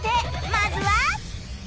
まずは